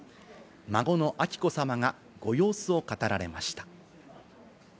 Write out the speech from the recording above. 孫の彬子さまがご様子を語られました。